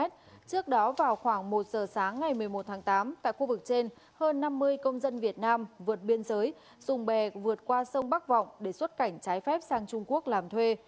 trước đó vào khoảng một giờ sáng ngày một mươi một tháng tám tại khu vực trên hơn năm mươi công dân việt nam vượt biên giới dùng bè vượt qua sông bắc vọng để xuất cảnh trái phép sang trung quốc làm thuê